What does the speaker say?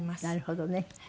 なるほどね。